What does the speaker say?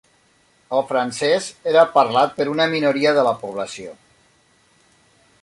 El francès era parlat per una minoria de la població.